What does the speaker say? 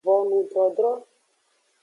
Vonudrodro.